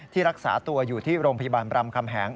รักษาตัวอยู่ที่โรงพยาบาลบรำคำแหง